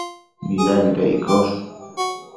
Nidabida iccosh?